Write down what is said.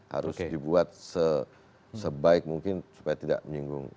harus dibuat sebaik mungkin supaya tidak menyinggung